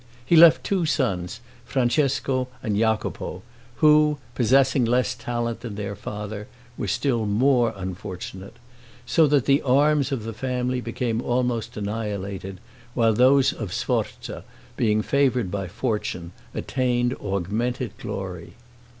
He left two sons, Francesco and Jacopo, who, possessing less talent than their father, were still more unfortunate; so that the arms of the family became almost annihilated, while those of Sforza, being favored by fortune, attained augmented glory.